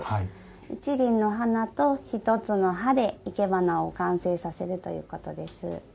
一輪の花と一つの葉でいけばなを完成させるということです。